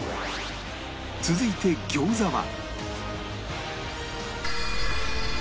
続いて餃子は